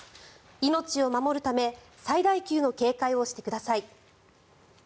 命を守るため最大級の警戒をしてください。